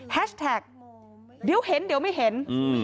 แท็กเดี๋ยวเห็นเดี๋ยวไม่เห็นอืม